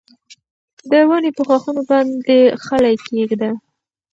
د ونې په ښاخونو باندې خلی کېږده.